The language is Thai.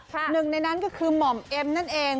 หนึ่งในนั้นก็คือหม่อมเอ็มนั่นเอง